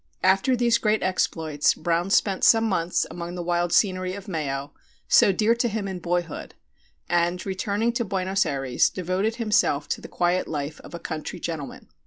After these great exploits Brown spent some months among the wild scenery of Mayo, so dear to him in boyhood, and, returning to Buenos Ayres, devoted himself to the quiet life of a country gentleman.